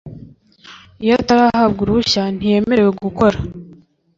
iyo atarahabwa uruhushya ntiyemerewe gukora